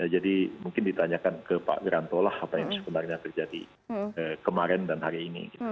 jadi mungkin ditanyakan kepada pak wiranto lah apa yang sebenarnya terjadi kemarin dan hari ini